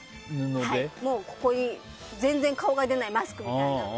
もう、全然顔が出ないマスクみたいな。